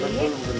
bumbu genep betul